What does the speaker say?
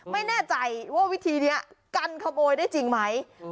ไม่แน่ใจว่าวิธีนี้กันขโมยได้จริงไหม